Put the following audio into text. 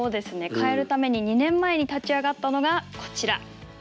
変えるために２年前に立ち上がったのがこちら。